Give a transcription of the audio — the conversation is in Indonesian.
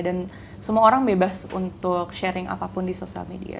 dan semua orang bebas untuk berbagi apapun di social media